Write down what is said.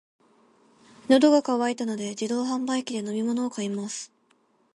喉が渇いたので、自動販売機で飲み物を買います。